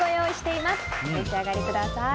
お召し上がりください。